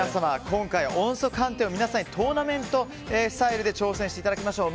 今回、音速飯店をトーナメントスタイルで挑戦していただきましょう。